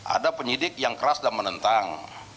ada penyidik yang keras dan menentang